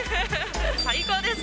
最高です！